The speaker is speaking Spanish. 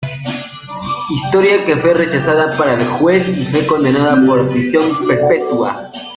Historia que fue rechazada por el juez y fue condenado a prisión perpetua.